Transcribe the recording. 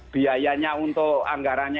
biayanya untuk anggaranya